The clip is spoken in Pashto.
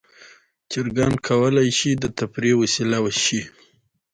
چرګان کولی شي د تفریح وسیله شي.